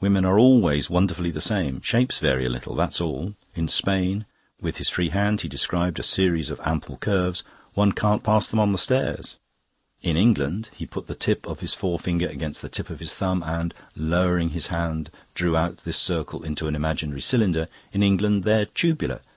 Women are always wonderfully the same. Shapes vary a little, that's all. In Spain" with his free hand he described a series of ample curves "one can't pass them on the stairs. In England" he put the tip of his forefinger against the tip of his thumb and, lowering his hand, drew out this circle into an imaginary cylinder "In England they're tubular.